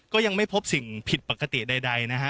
ก็ยังไม่พบสิ่งผิดปกติใดนะฮะ